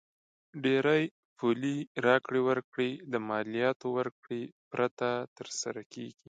ډېری پولي راکړې ورکړې د مالیاتو ورکړې پرته تر سره کیږي.